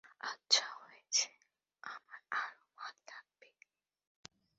আচ্ছা, হয়েছে কী, আমার আরো মাল লাগবে।